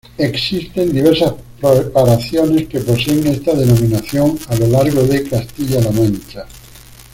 Existen diversas preparaciones que poseen esta denominación a lo largo de Castilla-La Mancha.